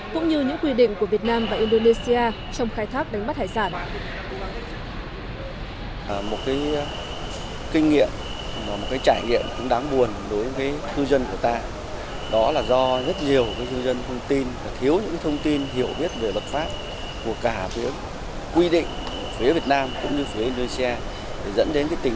cũng như những quy định của việt nam và indonesia trong khai thác đánh bắt hải sản